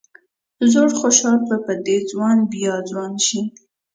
زوړ خوشال به په دې ځوان بیا ځوان شي.